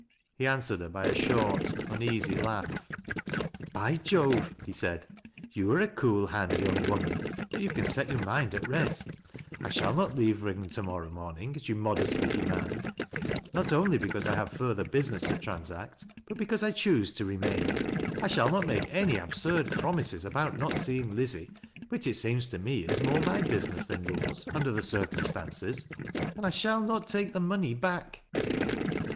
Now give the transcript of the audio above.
He answered her by a short, uneasy laugh. " By Jove !" he said. " You are a cool hand, young woman — ^but you can set your mind at rest. I shall not leave liiggan to morrow morning, as you modestly de mand — not only because I have further business to trans act, but because I choose to remain. I shall not make any absurd promises about not seeing Lizzie, which, it leems to me, is more my business than yours, under the ■jircumstances — and I shall not take the money back."